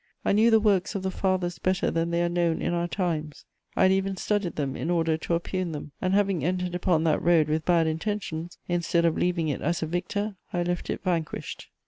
I knew the works of the Fathers better than they are known in our times; I had even studied them in order to oppugn them, and having entered upon that road with bad intentions, instead of leaving it as a victor, I left it vanquished.